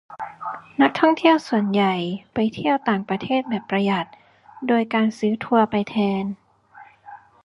นักท่องเที่ยวส่วนใหญ่ไปเที่ยวต่างประเทศแบบประหยัดโดยการซื้อทัวร์ไปแทน